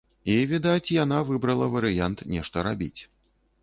І відаць, яна выбрала варыянт нешта рабіць.